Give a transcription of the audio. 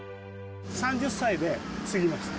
３０歳で継ぎました。